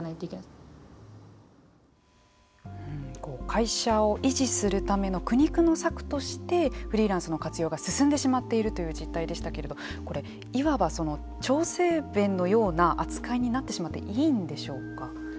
会社を維持するための苦肉の策としてフリーランスの活用が進んでしまっているという実態でしたけれどこれいわばその調整弁のような扱いになってしまっていいんでしょうか。